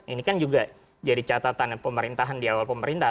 ini kan juga jadi catatan pemerintahan di awal pemerintah